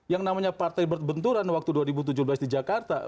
yang namanya partai berbenturan waktu dua ribu tujuh belas di jakarta